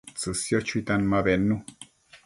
tsësio chuitan ma bednu